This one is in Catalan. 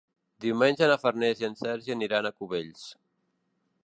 Diumenge na Farners i en Sergi aniran a Cubells.